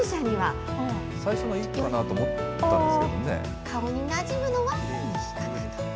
最初のいいかなと思ったんで顔になじむのはいいかなと。